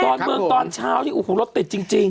ตอนเมืองตอนเช้าที่รถติดจริง